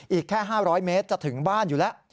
อีกแค่๕๐๐เมตรจะถึงบ้านอยู่แล้ว